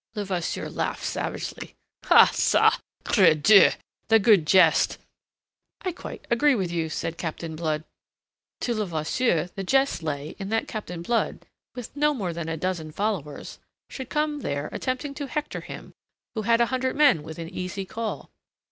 Levasseur laughed savagely. "Ah ca! Credieu! The good jest!" "I quite agree with you," said Captain Blood. To Levasseur the jest lay in that Captain Blood, with no more than a dozen followers, should come there attempting to hector him who had a hundred men within easy call.